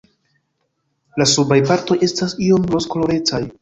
La subaj partoj estas iom rozkolorecaj.